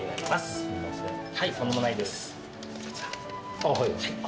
ああはい。